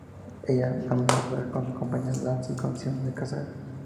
Ella a menudo trabajó con la Compañía de Danza y Canción Kazaja.